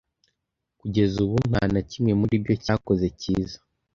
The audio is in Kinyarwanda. kugeza ubu, nta na kimwe muri byo cyakoze cyiza.